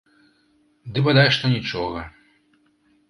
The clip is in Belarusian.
Ды бадай што нічога.